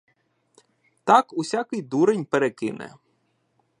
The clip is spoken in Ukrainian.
Так усякий дурень перекине.